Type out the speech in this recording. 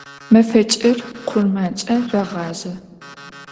Мэфэкӏыр къурмэнкӏэ рагъажьэ.